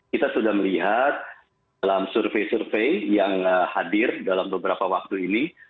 kita sudah melihat dalam survei survei yang hadir dalam beberapa waktu ini